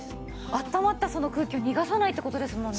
あったまったその空気を逃がさないって事ですもんね。